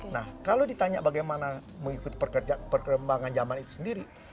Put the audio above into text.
nah kalau ditanya bagaimana mengikuti perkembangan zaman itu sendiri